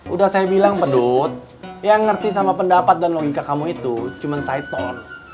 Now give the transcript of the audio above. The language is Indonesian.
udah saya bilang pendud yang ngerti sama pendapat dan logika kamu itu cuman saitong